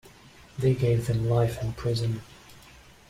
They gave them life in prison.